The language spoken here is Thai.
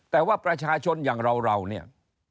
แต่ว่าประชาชนอย่างเราเนี่ย